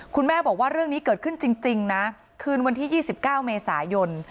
คุณแม่บอกว่าเรื่องนี้เกิดขึ้นจริงนะคืนวันที่๒๙เมษายน